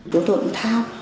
chúng tôi cũng tham